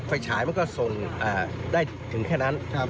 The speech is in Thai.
ฉายมันก็ส่งได้ถึงแค่นั้น